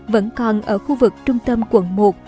vẫn còn ở khu vực trung tâm quận một